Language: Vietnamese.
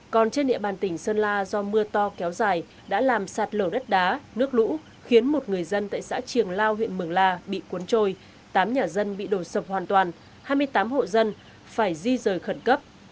còn trên địa bàn tỉnh sơn la do mưa to kéo dài đã làm sạt lở đất đá nước lũ khiến một người dân tại xã triềng lao huyện mường la bị cuốn trôi tám nhà dân bị đổ sập hoàn toàn hai mươi tám hộ dân phải di rời khẩn cấp